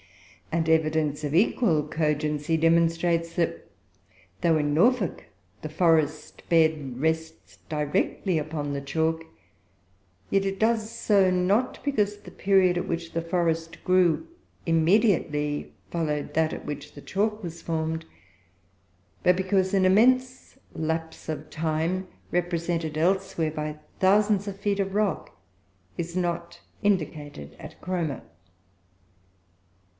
And evidence of equal cogency demonstrates that, though, in Norfolk, the forest bed rests directly upon the chalk, yet it does so, not because the period at which the forest grew immediately followed that at which the chalk was formed, but because an immense lapse of time, represented elsewhere by thousands of feet of rock, is not indicated at Cromer.